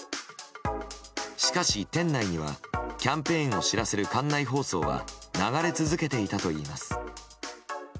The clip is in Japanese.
しかし、店内にはキャンペーンを知らせる館内放送は流れ続けていたといいます。